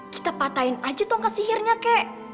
kita patahin aja tongkat sihirnya kek